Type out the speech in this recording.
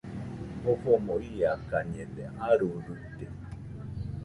Jofomo iakañede, aruiruite